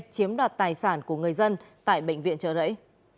chiếm đoạt tài sản của người dân tại bệnh viện trợ rẫy